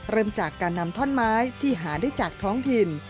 เริ่มจากการนำท่อนไม้ที่หาได้จากท้องถิ่น